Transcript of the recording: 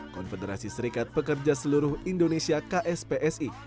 konfederasi serikat pekerja seluruh indonesia kspsi